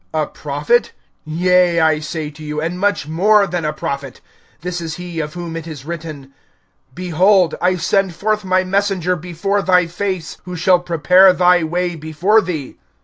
A prophet? Yea, I say to you, and much more than a prophet. (27)This is he, of whom it is written: Behold, I send forth my messenger before thy face, Who shall prepare thy way before thee.